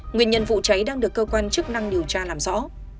nguyên nhân vụ cháy đang được cơ quan chức năng điều tra làm rõ